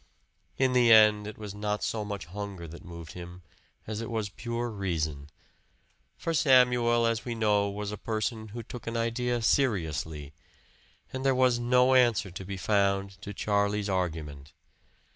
In the end it was not so much hunger that moved him, as it was pure reason. For Samuel, as we know, was a person who took an idea seriously; and there was no answer to be found to Charlie's argument.